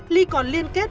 ly còn liên kết